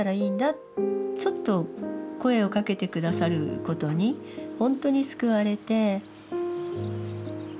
ちょっと声をかけて下さることにほんとに救われて。